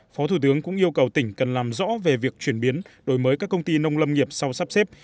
phó thủ tướng cũng yêu cầu tỉnh cần làm rõ về việc chuyển biến đổi mới các công ty nông lâm nghiệp sau sắp xếp